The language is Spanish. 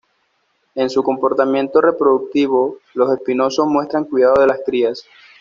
En su comportamiento reproductivo, los espinosos muestran cuidado de las crías.